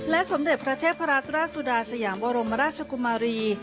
สมเด็จพระเทพรัตนราชสุดาสยามบรมราชกุมารี